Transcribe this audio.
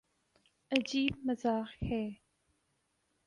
عجیب مذاق ہے۔